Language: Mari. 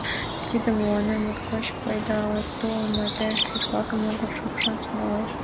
Тиде мыланна моткоч пайдале, тулым мардеж руш-влак могырыш лупшаш тӱҥалеш.